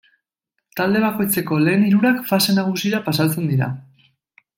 Talde bakoitzeko lehen hirurak fase nagusira pasatzen dira.